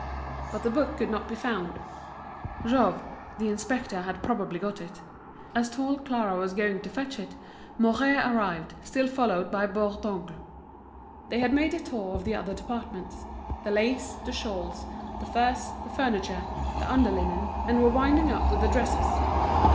But the book could not be found; Jouve, the inspector had probably got it. As tall Clara was going to fetch it, Mouret arrived, still followed by Bourdoncle. They had made the tour of the other departments—the lace, the shawls, the furs, the furniture, the under linen, and were winding up with the dresses.